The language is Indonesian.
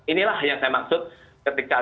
inilah yang saya maksud ketika